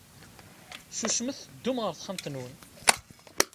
Susmet, teddum ɣer texxamt-nwen!